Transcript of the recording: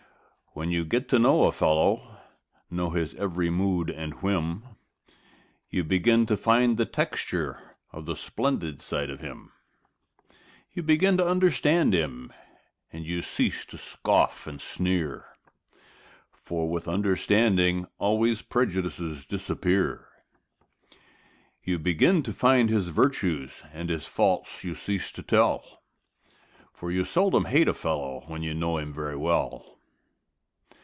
When you get to know a fellow, know his every mood and whim, You begin to find the texture of the splendid side of him; You begin to understand him, and you cease to scoff and sneer, For with understanding always prejudices disappear. You begin to find his virtues and his faults you cease to tell, For you seldom hate a fellow when you know him very well.